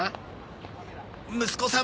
息子さん